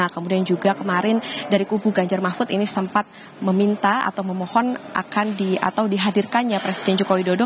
kemudian juga kemarin dari kubu ganjar mahfud ini sempat meminta atau memohon akan dihadirkannya presiden joko widodo